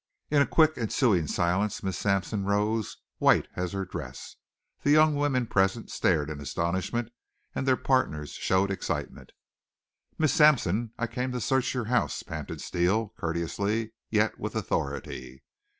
In a quick ensuing silence Miss Sampson rose, white as her dress. The young women present stared in astonishment and their partners showed excitement. "Miss Sampson, I came to search your house!" panted Steele, courteously, yet with authority.